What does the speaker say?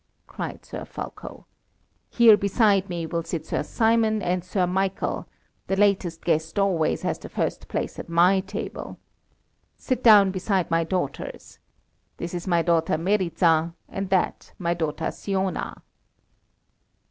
cried Sir Fulko. "Here beside me will sit Sir Simon and Sir Michael; the latest guest always has the first place at my table. Sit down beside my daughters. This is my daughter Meryza, and that my daughter Siona."